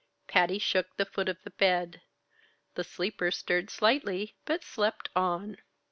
Patty shook the foot of the bed. The sleeper stirred slightly but slept on.